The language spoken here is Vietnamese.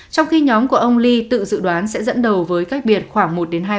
trong khi nhóm của ông lee tự dự đoán sẽ dẫn đầu với cách biệt khoảng một hai